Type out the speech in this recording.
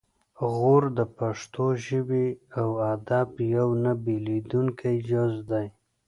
غور د پښتو ژبې او ادب یو نه بیلیدونکی جز دی